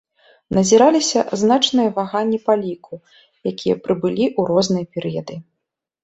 Назіраліся значныя ваганні па ліку якія прыбылі ў розныя перыяды.